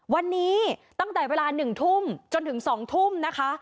วันนี้ตั้งแต่เวลา๑ทุ่มจนถึง๒ทุ่มนะคะ